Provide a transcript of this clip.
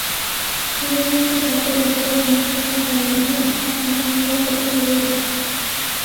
বিনোদিনীকে ডাকিয়া বলিত, ভাই চোখের বালি, মাথা খাও, এ গল্পটা পড়িয়া দেখো।